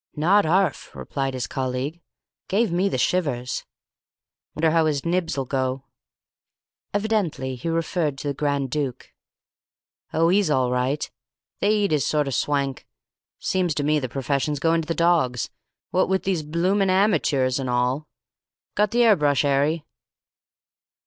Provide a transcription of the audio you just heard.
"Not 'arf," replied his colleague. "Gave me the shivers." "Wonder how his nibs'll go." Evidently he referred to the Grand Duke. "Oh, 'e's all right. They eat his sort of swank. Seems to me the profession's going to the dogs, what with these bloomin' amytoors an' all. Got the 'airbrush, 'Arry?"